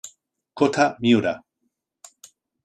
Kōta Miura